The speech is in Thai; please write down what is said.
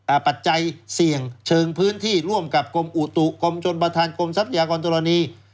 ปัจจัยเสี่ยงเชิงพื้นที่ร่วมกับกรมอุตุกรมชนประธานกรมทรัพยากรธรณี